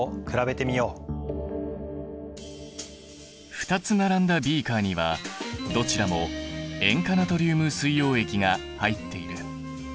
２つ並んだビーカーにはどちらも塩化ナトリウム水溶液が入っている。